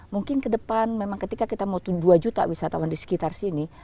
mungkin ke depan memang ketika kita mau dua juta wisatawan di sekitar sini